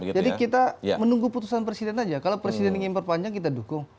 kita menunggu putusan presiden saja kalau presiden ingin memperpanjang kita dukung